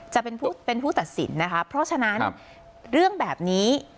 จะเป็นผู้เป็นผู้ตัดสินนะคะเพราะฉะนั้นเรื่องแบบนี้